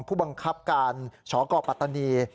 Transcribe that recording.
ผู้บังคับการชกปัตตานี